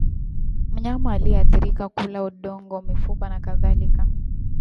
Mnyama aliyeathirika kula udongo mifupa na kadhalika